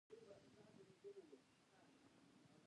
د لاتابند لاره پخوانۍ وه